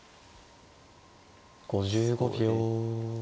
５５秒。